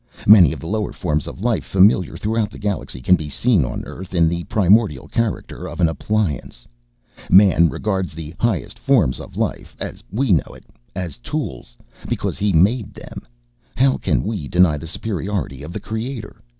Many of the lower forms of life familiar throughout the galaxy can be seen on Earth in the primordial character of an appliance. Man regards the highest forms of life (as we know it) as tools because he made them. How can we deny the superiority of the Creator?